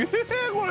これ。